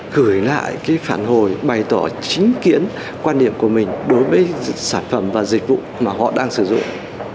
gửi lại cái phản hồi bày tỏ chính kiến quan điểm của mình đối với sản phẩm và dịch vụ mà họ đang sử dụng